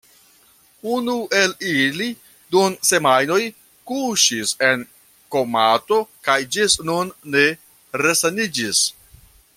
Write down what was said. Unu el ili dum semajnoj kuŝis en komato kaj ĝis nun ne resaniĝis.